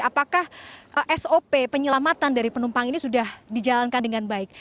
apakah sop penyelamatan dari penumpang ini sudah dijalankan dengan baik